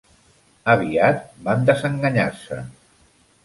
Aviat van desenganyar-se.